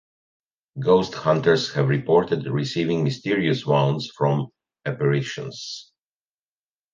Ghost hunters have reported receiving mysterious wounds from apparitions.